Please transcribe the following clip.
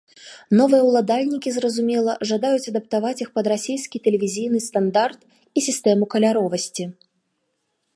Новыя ўладальнікі, зразумела, жадаюць адаптаваць іх пад расейскі тэлевізійны стандарт і сістэму каляровасці.